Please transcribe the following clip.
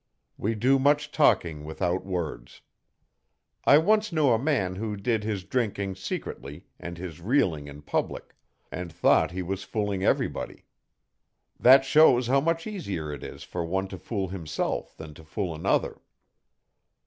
We do much talking without words. I once knew a man who did his drinking secretly and his reeling in public, and thought he was fooling everybody. That shows how much easier it is for one to fool himself than to fool another.